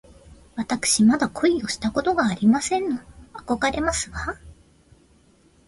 わたくしまだ恋をしたことがありませんの。あこがれますわ